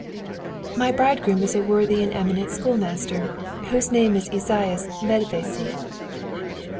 "My bridegroom is a worthy and eminent schoolmaster, whose name is Esaias Medvési."